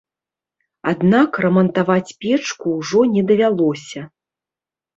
Аднак рамантаваць печку ўжо не давялося.